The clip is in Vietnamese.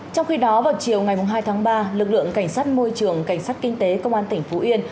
trong khi đó vào chiều ngày hai tháng ba lực lượng cảnh sát môi trường cảnh sát kinh tế công an tp hcm